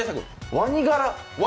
ワニ柄？